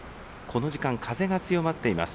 この時間、風が強まっています。